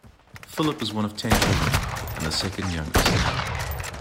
Philip was one of ten children, and the second youngest.